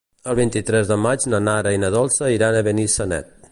El vint-i-tres de maig na Nara i na Dolça iran a Benissanet.